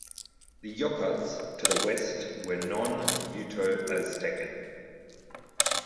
The Yokuts to the west were non-Uto-Aztecan.